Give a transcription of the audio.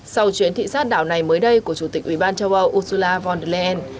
sau chuyến thị xác đảo này mới đây của chủ tịch ub châu âu ursula von der leyen